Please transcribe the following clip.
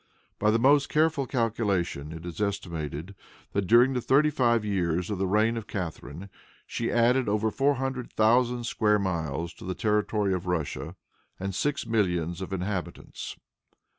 By the most careful calculation it is estimated that during the thirty five years of the reign of Catharine, she added over four hundred thousand square miles to the territory of Russia, and six millions of inhabitants.